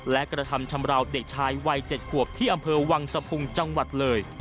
และกระทำชำราวเด็กชายวัย๗ขวบที่อำเภอวังสะพุงจังหวัดเลย